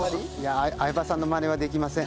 相葉さんのマネはできません。